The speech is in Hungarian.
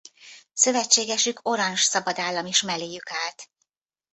Szövetségesük Oranje Szabadállam is melléjük állt.